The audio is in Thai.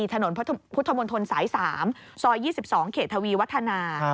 ถนนพุทธมนตรสาย๓ซอย๒๒เขตทวีวัฒนา